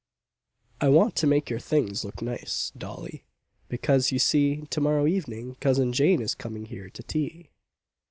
I want to make your things look nice, Dolly—because, you see, To morrow evening Cousin Jane Is coming here to tea.